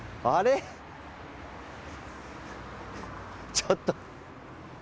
ちょっと。